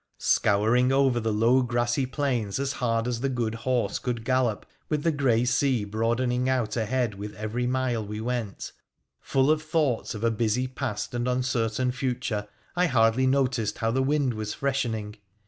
Scouring over the low grassy plains as hard as the good horse could gallop, with the grey sea broadening out ahead with every mile we went, full of thoughts of a busy past and uncertain future, I hardly noticed how the wind was freshening.